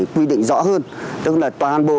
quy định rõ hơn tức là toàn bộ